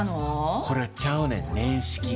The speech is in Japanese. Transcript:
これ、ちゃうねん、年式が。